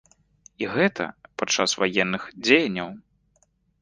І гэта падчас ваенных дзеянняў!